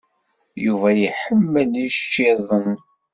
Yuba iḥemmel ičizen?